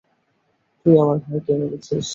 তুই আমার ভাইকে মেরেছিস।